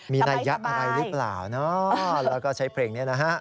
มีนัยยะอะไรหรือเปล่าเนาะแล้วก็ใช้เพลงนี้นะฮะ